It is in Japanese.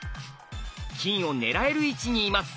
金を狙える位置にいます。